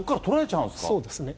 もう、そうですね。